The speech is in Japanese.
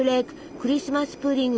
クリスマス・プディング